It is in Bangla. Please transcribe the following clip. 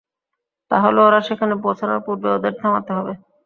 তাহলে ওরা সেখানে পৌঁছানোর পূর্বে ওদের থামাতে হবে।